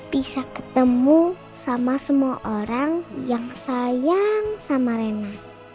bisa ketemu sama semua orang yang sayang sama rena